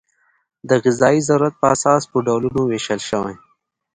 د غذایي ضرورت په اساس په ډولونو وېشل شوي.